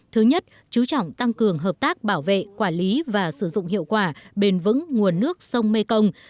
thứ nhất chú trọng tăng cường hợp tác bảo vệ quản lý và sử dụng hiệu quả bền vững nguồn nước sông mekong